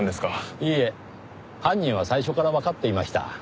いいえ犯人は最初からわかっていました。